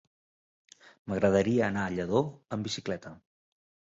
M'agradaria anar a Lladó amb bicicleta.